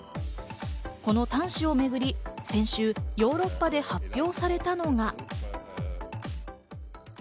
この端子をめぐり、先週ヨーロッパで発表されたのが。